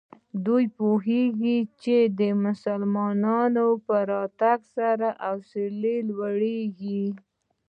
دوی پوهېږي چې د مسلمانانو په راتګ سره حوصلې لوړېږي.